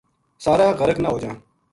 سارا غرق نہ ہو جاں